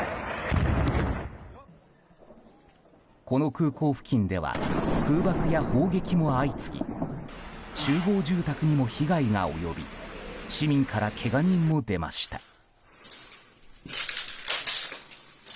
この空港付近では空爆や砲撃も相次ぎ集合住宅にも被害が及び市民からけが人も出ました。